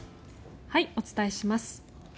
お伝えします。